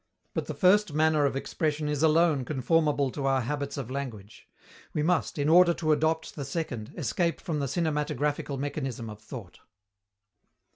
But the first manner of expression is alone conformable to our habits of language. We must, in order to adopt the second, escape from the cinematographical mechanism of thought.